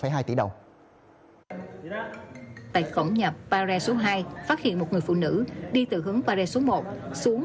tại khổng nhập paré số hai phát hiện một người phụ nữ đi từ hướng paré số một xuống